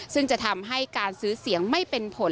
ซึ่งจะทำให้การซื้อเสียงไม่เป็นผล